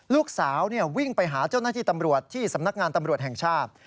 ลูกสาววิ่งไปหาเจ้าหน้าที่ตำรวจที่สำนักงานตำรวจแห่งชาติ